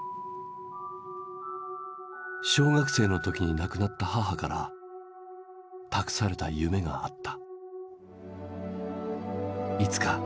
小学生の時に亡くなった母から託された夢があった。